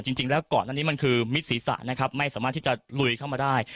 จริงแล้วก่อนอันนี้มันคือมิดศีรษะนะครับไม่สามารถที่จะลุยเข้ามาได้